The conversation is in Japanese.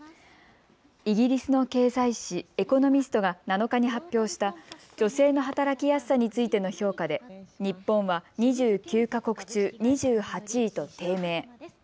イギリスの経済誌、エコノミストが７日に発表した女性の働きやすさについての評価で日本は２９か国中、２８位と低迷。